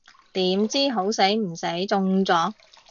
點知好死唔死中咗